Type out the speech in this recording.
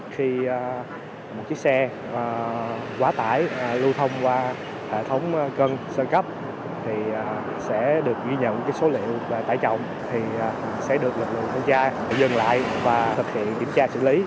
khi một chiếc xe quá tải lưu thông qua hệ thống cân sơ cấp thì sẽ được ghi nhận số liệu về tải trọng thì sẽ được lực lượng thanh tra dừng lại và thực hiện kiểm tra xử lý